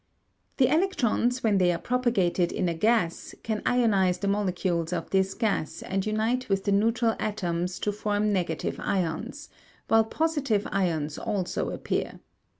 The electrons, when they are propagated in a gas, can ionise the molecules of this gas and unite with the neutral atoms to form negative ions, while positive ions also appear.